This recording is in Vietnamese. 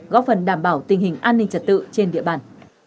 góp phần đảm bảo tình hình an ninh trật tự trên địa bàn